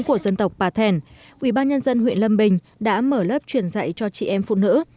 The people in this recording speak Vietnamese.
của dân tộc bà thèn ubnd huyện lâm bình đã mở lớp truyền dạy cho chị em phụ nữ